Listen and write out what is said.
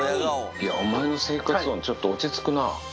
いや、お前の生活音、ちょっと落ち着くな。